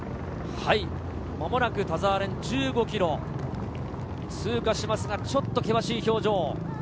間もなく田澤廉、１５ｋｍを通過しますが、ちょっと険しい表情。